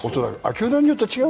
球団によって違う？